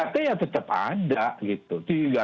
tiga t tetap ada